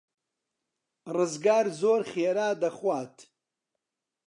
ڕزگار زۆر خێرا دەخوات.